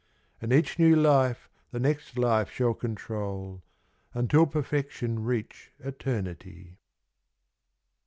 And each new life the next life shall control Until perfection reach Eternity.